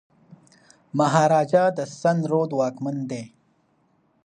مهاراجا د سند رود واکمن دی.